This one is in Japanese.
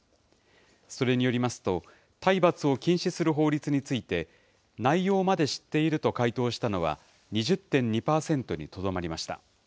それによりますと、体罰を禁止する法律について、内容まで知っていると回答したのは２０．２％にとどまりました。